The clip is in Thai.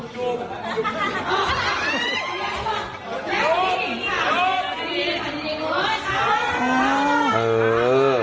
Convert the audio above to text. หลุมหลุม